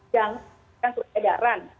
yang surat edaran